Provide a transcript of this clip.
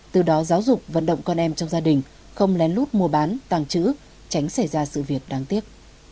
từ đó giáo dục vận động con em trong gia đình không lén lút mua bán tàng trữ tránh xảy ra sự việc đáng tiếc